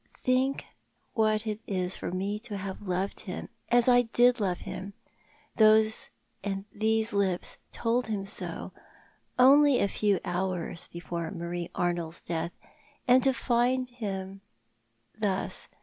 " Think what it is for me to have loved him— as I did love him— these lips told him so— only a few hours before Marie Arnold's death— and to find him— thus.